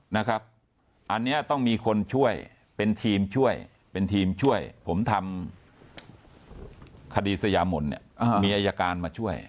นะครับอันนี้ต้องมีคนช่วยเป็นทีมช่วยเป็นทีมช่วยผมทำคดีสยามนเนี่ยมีอายการมาช่วย